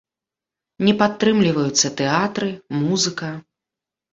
Не падтрымліваюцца тэатры, музыка.